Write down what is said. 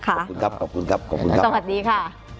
ขอบคุณครับขอบคุณครับขอบคุณครับสวัสดีค่ะ